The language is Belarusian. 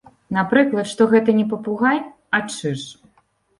Напрыклад, што гэта не папугай, а чыж.